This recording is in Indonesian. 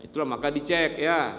itulah maka dicek ya